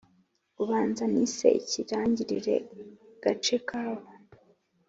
Ubanza nise ikirangirire gace kabo